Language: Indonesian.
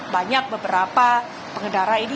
banyak beberapa pengendara ini